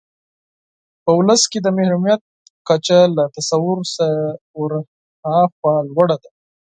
په ولس کې د محرومیت کچه له تصور څخه ورهاخوا لوړه ده.